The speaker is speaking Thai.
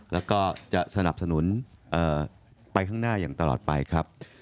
แล้วก็จะสนับสนุนไปข้างหน้าอย่างตลอดไปครับ